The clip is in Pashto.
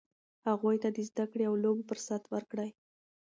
هغوی ته د زده کړې او لوبو فرصت ورکړئ.